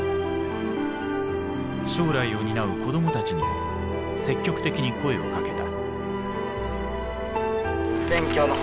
将来を担う子供たちにも積極的に声をかけた。